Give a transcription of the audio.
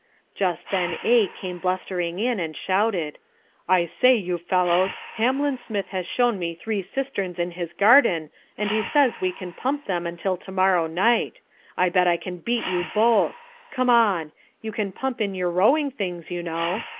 Just then A came blustering in and shouted, "I say, you fellows, Hamlin Smith has shown me three cisterns in his garden and he says we can pump them until to morrow night. I bet I can beat you both. Come on. You can pump in your rowing things, you know.